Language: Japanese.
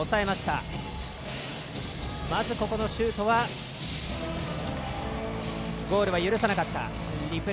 まず、ここのシュートはゴールは許さなかった。